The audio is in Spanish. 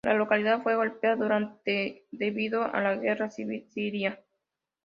La localidad fue golpeada duramente debido a la Guerra Civil Siria.